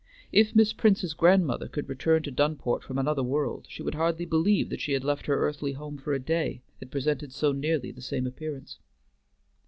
If Miss Prince's grandmother could return to Dunport from another world, she would hardly believe that she had left her earthly home for a day, it presented so nearly the same appearance.